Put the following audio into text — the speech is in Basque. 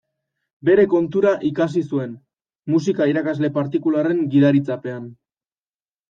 Bere kontura ikasi zuen, musika-irakasle partikularren gidaritzapean.